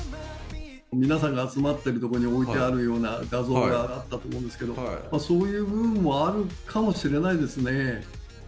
皆さんが集まってるところに置いてあるような画像があったと思うんですけど、そういう部分もあるかもしれないですね。